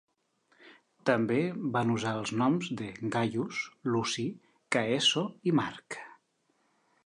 També van usar els noms de "Gaius, Luci, Caeso" i "Marc".